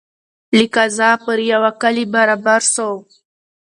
له قضا پر یوه کلي برابر سو